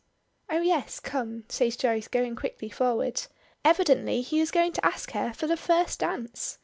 "Oh yes come," says Joyce going quickly forward. Evidently he is going to ask her for the first dance!